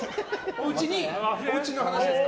おうちの話ですか？